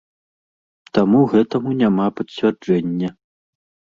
Таму гэтаму няма пацвярджэння.